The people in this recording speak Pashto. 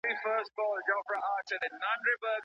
آیا د لري واټن زده کړه له مخامخ درسونو غوره ده؟